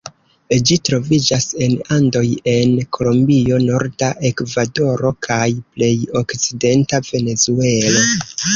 Ĝi troviĝas en Andoj en Kolombio, norda Ekvadoro, kaj plej okcidenta Venezuelo.